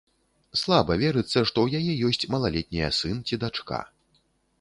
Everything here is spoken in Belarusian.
Слаба верыцца, што ў яе ёсць малалетнія сын ці дачка.